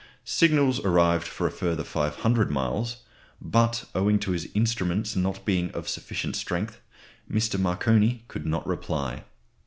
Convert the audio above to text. Signals arrived for a further 500 miles, but owing to his instruments not being of sufficient strength, Mr. Marconi could not reply.